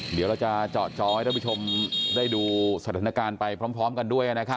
เดี๋ยวเราจะเจาะจอให้ท่านผู้ชมได้ดูสถานการณ์ไปพร้อมกันด้วย